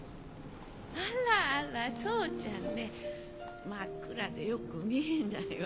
あらあら宗ちゃんね真っ暗でよく見えないわ。